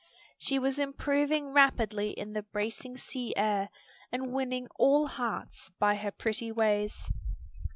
She was improving rapidly in the bracing sea air and winning all hearts by her pretty ways.